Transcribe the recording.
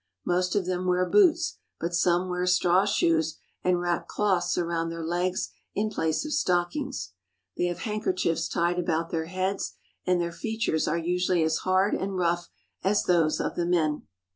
Most of them wear boots, but some wear straw shoes, and wrap cloths around their legs in place of stockings. They have handkerchiefs tied about their heads, and their features are usually as hard and rough as those of the men.